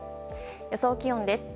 予想気温です。